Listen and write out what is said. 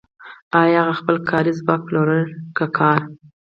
آیا هغه خپل کاري ځواک پلوري که کار